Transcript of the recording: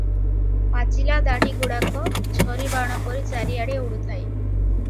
ପାଚିଲା ଦାଢ଼ି ଗୁଡାକ ଝରିବାଣପରି ଚାରିଆଡ଼େ ଉଡୁଥାଏ ।